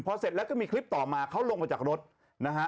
พอเสร็จแล้วก็มีคลิปต่อมาเขาลงมาจากรถนะฮะ